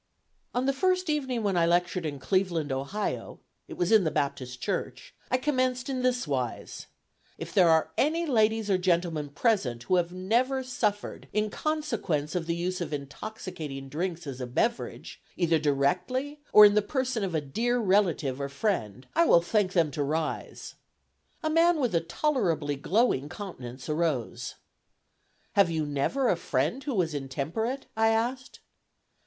On the first evening when I lectured in Cleveland, Ohio, (it was in the Baptist Church,) I commenced in this wise: "If there are any ladies or gentlemen present who have never suffered in consequence of the use of intoxicating drinks as a beverage, either directly, or in the person of a dear relative or friend, I will thank them to rise." A man with a tolerably glowing countenance arose. "Had you never a friend who was intemperate?" I asked.